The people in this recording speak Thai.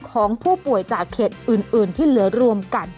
ของผู้ป่วยจากเขตอื่นที่เหลือรวมกัน